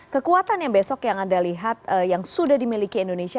kekuatan yang besok yang sudah dimiliki indonesia